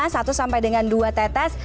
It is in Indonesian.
satu sampai dengan dua tetes